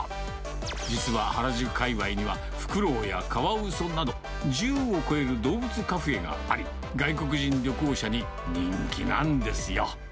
実は原宿かいわいにはフクロウやカワウソなど、１０を超える動物カフェがあり、外国人旅行者に人気なんですよ。